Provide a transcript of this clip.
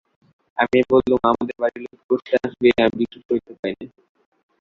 আমি বললুম, আমাদের বাড়ি লুট করতে আসবে এ আমি বিশ্বাস করতে পারি নে।